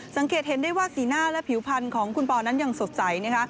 สังเกตเห็นได้ว่าสีหน้าและผิวพันธุ์ของคุณปอนั้นยังสดใสนะคะ